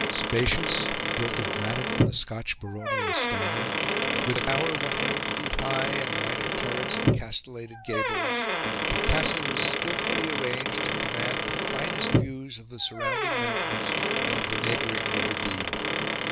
Spacious, built of granite in the Scotch baronial style, with a tower 100 feet high, and minor turrets and castellated gables, the castle was skilfully arranged to command the finest views of the surrounding mountains and of the neighbouring river Dee.